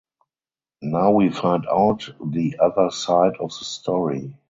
Now we find out the other side of the story.